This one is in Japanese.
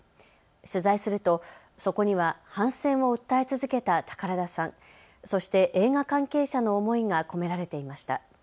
取材するとそこには反戦を訴え続けた宝田さん、そして映画関係者の思いが込められていました。